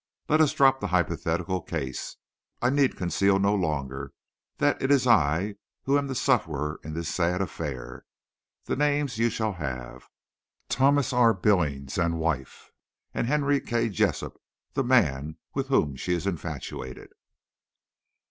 Let us drop the hypothetical case—I need conceal no longer that it is I who am the sufferer in this sad affair—the names you shall have—Thomas R. Billings and wife—and Henry K. Jessup, the man with whom she is infatuated."